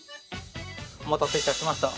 お待たせいたしました。